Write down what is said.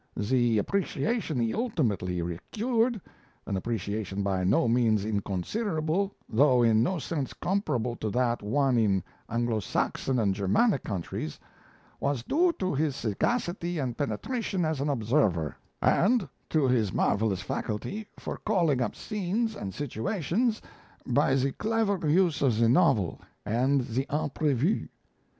The appreciation he ultimately secured an appreciation by no means inconsiderable, though in no sense comparable to that won in Anglo Saxon and Germanic countries was due to his sagacity and penetration as an observer, and to his marvellous faculty for calling up scenes and situations by the clever use of the novel and the imprevu.